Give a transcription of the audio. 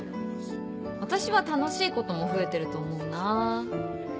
私は楽しいことも増えてると思うな。